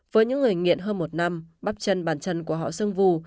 với những người nghiện hơn một năm bắp chân bàn chân của họ sương vù